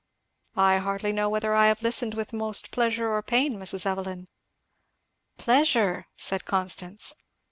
"I hardly know whether I have listened with most pleasure or pain, Mrs. Evelyn." "Pleasure!" said Constance.